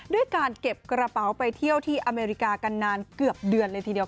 ด้วยการเก็บกระเป๋าไปเที่ยวที่อเมริกากันนานเกือบเดือนเลยทีเดียว